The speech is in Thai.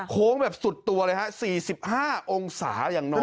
โค้งแบบสุดตัวเลยฮะ๔๕องศาอย่างน้อย